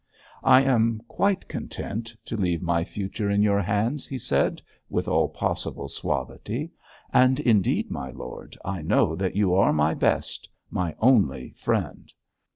'I am quite content to leave my future in your hands,' he said, with all possible suavity, 'and indeed, my lord, I know that you are my best my only friend.